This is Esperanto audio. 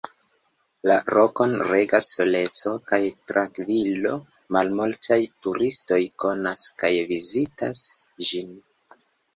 La rokon regas soleco kaj trankvilo; malmultaj turistoj konas kaj vizitas ĝin.